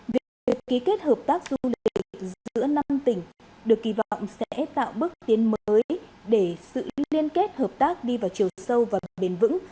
việc ký kết hợp tác du lịch giữa năm tỉnh được kỳ vọng sẽ tạo bước tiến mới để sự liên kết hợp tác đi vào chiều sâu và bền vững